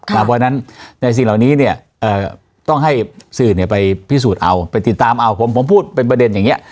เพราะฉะนั้นในสิ่งเหล่านี้เนี่ยต้องให้สื่อไปพิสูจน์เอาไปติดตามเอาผมพูดเป็นประเด็นอย่างนี้